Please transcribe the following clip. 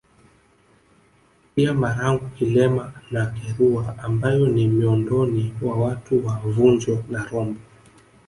Pia Marangu Kilema na Kirua ambayo ni miondoni wa watu wa vunjo na rombo